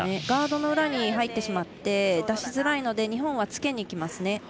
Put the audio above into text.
ガードの裏に入ってしまって出しづらいので日本はつけにきますね。